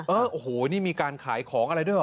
เออโอ้โหนี่มีการขายของอะไรด้วยเหรอ